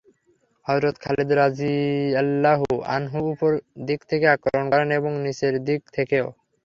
হযরত Khalid রাযিয়াল্লাহু আনহু উপর দিক থেকে আক্রমণ করান এবং নিচের দিক থেকেও।